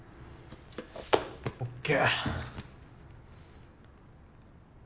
ＯＫ。